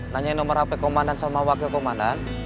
nanyain nomor hp komandan sama wakil komandan